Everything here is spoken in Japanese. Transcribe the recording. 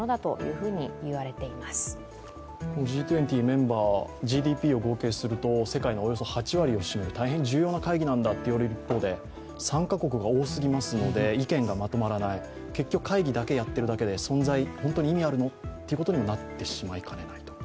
Ｇ２０、メンバーＧＤＰを合計すると世界のおよそ８割を占める、大変重要な会議なんだと言われる一方で参加国が多すぎますので意見がまとまらない結局会議だけやってるだけで存在、本当に意味あるの？となってしまいかねないと。